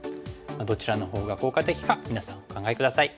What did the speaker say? どちらのほうが効果的か皆さんお考え下さい。